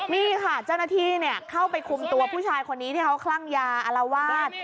นี่ค่ะเจ้าหน้าที่เข้าไปคุมตัวผู้ชายคนนี้ที่เขาคลั่งยาอารวาส